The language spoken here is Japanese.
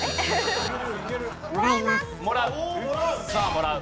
もらう。